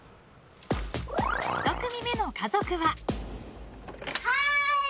１組目の家族は。